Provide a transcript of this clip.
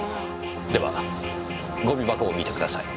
ではゴミ箱を見てください。